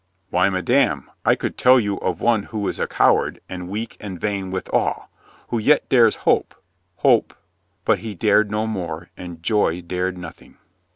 "Why, madame, I could tell you of one who is a coward and weak and vain withal, who yet dares hope — hope —" But he dared no more and Joy dared nothing.